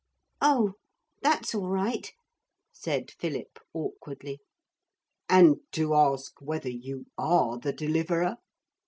'Oh, that's all right,' said Philip awkwardly. 'And to ask whether you are the Deliverer?'